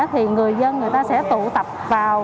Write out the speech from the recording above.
thì người dân người ta sẽ tụ tập vào